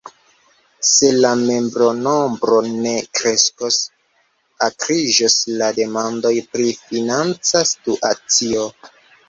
Se la membronombro ne kreskos, akriĝos la demandoj pri financa situacio.